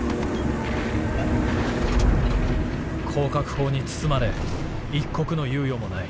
「高角砲に包まれ一刻の猶予もない。